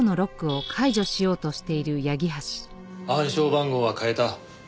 暗証番号は変えた。